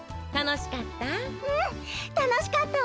たのしかった？